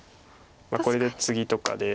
これでツギとかで。